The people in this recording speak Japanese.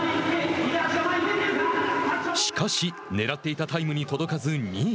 しかし、ねらっていたタイムに届かず２位。